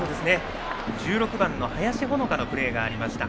１６番の林穂之香のプレーがありました。